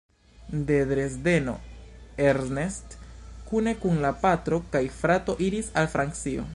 De Dresdeno Ernest kune kun la patro kaj frato iris al Francio.